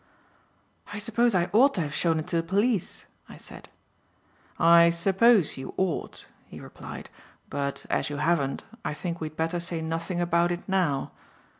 "I suppose I ought to have shown it to the police," I said. "I suppose you ought," he replied, "but, as you haven't, I think we had better say nothing about it now."